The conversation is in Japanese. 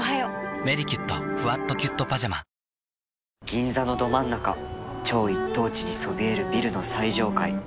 銀座の超一等地にそびえるビルの最上階